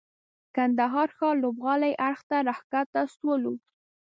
کندهار ښار لوبغالي اړخ ته راکښته سولو.